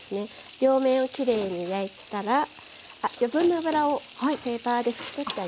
両面をきれいに焼いたら余分な脂をペーパーで拭き取ってあげます。